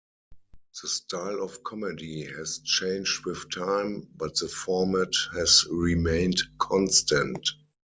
The style of comedy has changed with time, but the format has remained constant.